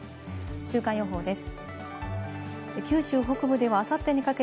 週間予報です。